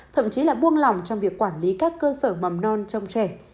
thậm chí là buông lỏng trong việc quản lý các cơ sở mầm non trong trẻ